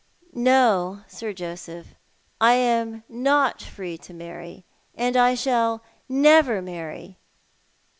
"" No, Sir Joseph, I am not free to marry, and I shall never marry."